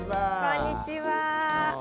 こんにちは。